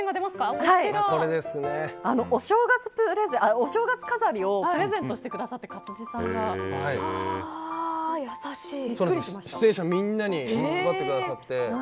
これですね。お正月飾りをプレゼントしてくださって出演者みんなに配ってくださって。